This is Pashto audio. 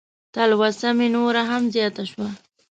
تلوسه مې نوره هم زیاته شوه.